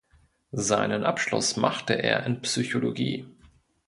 Seinen Abschluss machte er in Psychologie.